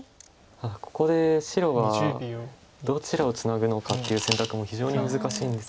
ここで白はどちらをツナぐのかっていう選択も非常に難しいんです。